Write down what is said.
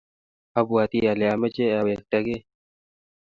abwatii ale amoche awektakei.